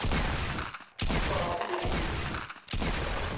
Qeṣṣreɣ mliḥ yid-s.